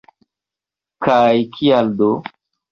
Kaj kial do?